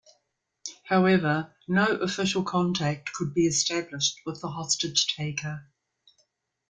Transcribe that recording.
However, no official contact could be established with the hostage taker.